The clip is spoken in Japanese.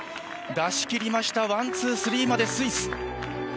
出し切りましたワン、ツー、スリーまでスイス。